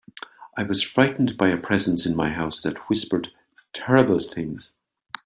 I was frightened by a presence in my house that whispered terrible things.